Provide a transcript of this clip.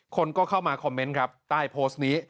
คนก็เข้ามาคอมเมนต์ครับใต้โพสต์นี้